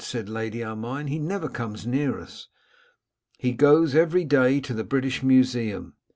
said Lady Armine. 'He never comes near us.' 'He goes every day to the British Museum.